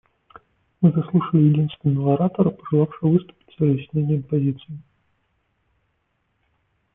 Мы заслушали единственного оратора, пожелавшего выступить с разъяснением позиции.